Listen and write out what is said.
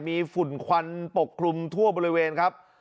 มีฝุ่นควันปกคลุมทั่วบริเวณครับ